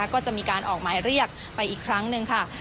ก็จะมีการออกหมายเรียกไปอีกครั้งหนึ่งค่ะ